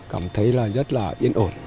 cảm thấy là rất là yên ổn